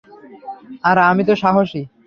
আর আমিতো সাহসী।